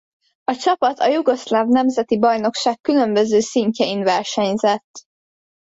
A csapat a jugoszláv nemzeti bajnokság különböző szintjein versenyzett.